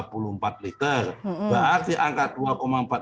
berarti angka dua empat miliar liter itu berarti selama satu bulan selama satu tahun